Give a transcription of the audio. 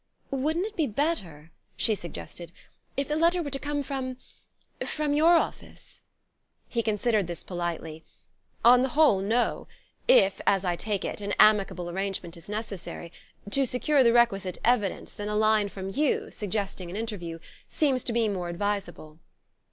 "Wouldn't it be better," she suggested, "if the letter were to come from from your office?" He considered this politely. "On the whole: no. If, as I take it, an amicable arrangement is necessary to secure the requisite evidence then a line from you, suggesting an interview, seems to me more advisable."